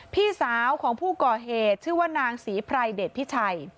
พี่สาวของผู้ก่อเหตุชื่อว่านางศรีไพรเดชพิชัย